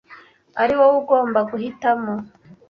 ari wowe ugomba guhitamo.